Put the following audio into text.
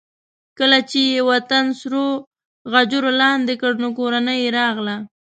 کله چې یې وطن سرو غجرو لاندې کړ نو کورنۍ یې راغله.